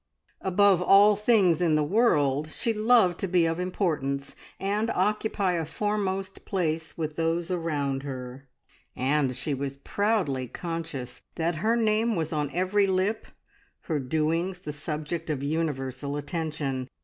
Above all things in the world she loved to be of importance, and occupy a foremost place with those around her, and she was proudly conscious that her name was on every lip, her doings the subject of universal attention.